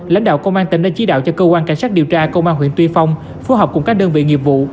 lãnh đạo công an tỉnh đã chỉ đạo cho cơ quan cảnh sát điều tra công an huyện tuy phong phối hợp cùng các đơn vị nghiệp vụ